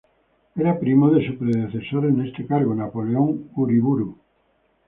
Era primo de su predecesor en este cargo, Napoleón Uriburu.